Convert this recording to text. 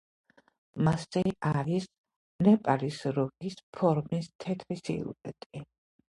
მასზე არის ნეპალის რუკის ფორმის თეთრი სილუეტი.